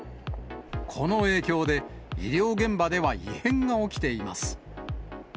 この影響で、医療現場では異変が起きています。